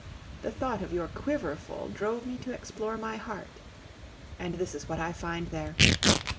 The thought of your quiver full drove me to explore my heart. And this is what I find there.